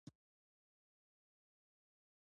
ایا ستاسو ډوډۍ به پخه نه وي؟